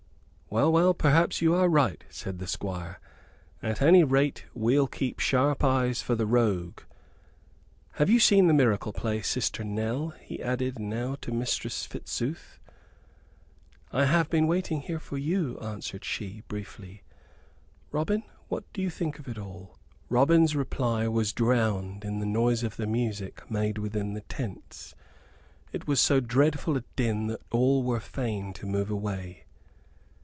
"Well, well, perhaps you are right," said the Squire. "At any rate, we'll keep sharp eyes for the rogue. Have you seen the miracle play, Sister Nell?" he added now to Mistress Fitzooth. "I have been waiting here for you," answered she, briefly, "Robin, what do you think of it all?" Robin's reply was drowned in the noise of the music made within the tents. It was so dreadful a din that all were fain to move away.